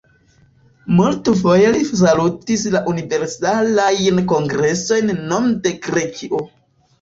Multfoje li salutis la Universalajn Kongresojn nome de Grekio.